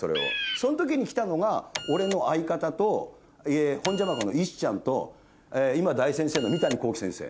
そん時に来たのが俺の相方とホンジャマカの石ちゃんと今大先生の三谷幸喜先生。